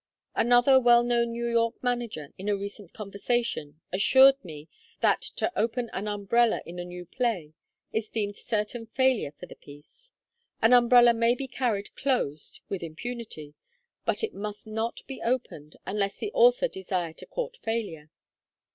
Another well known New York manager in a recent conversation assured me that to open an umbrella in a new play is deemed certain failure for the piece. An umbrella may be carried closed with impunity, but it must not be opened unless the author desire to court failure.